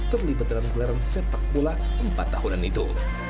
terlibat dalam gelaran sepak bola empat tahunan itu